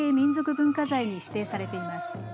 文化財に指定されています。